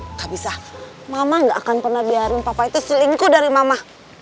nggak bisa mama gak akan pernah biarin papa itu selingkuh dari mama